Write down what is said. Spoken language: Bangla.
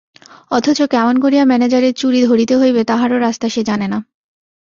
অথচ কেমন করিয়া ম্যানেজারের চুরি ধরিতে হইবে তাহারও রাস্তা সে জানে না।